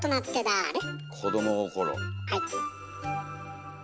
はい。